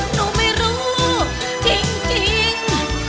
หนูไม่รู้จริงจริง